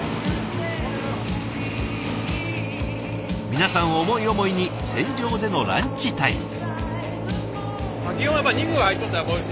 皆さん思い思いに船上でのランチタイム。